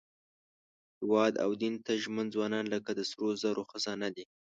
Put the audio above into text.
هېواد او دین ته ژمن ځوانان لکه د سرو زرو خزانه دي.